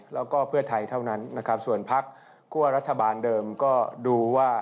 แล้วก็เพื่อไทยเท่านั้นนะครับส่วนพักคั่วรัฐบาลเดิมก็ดูว่า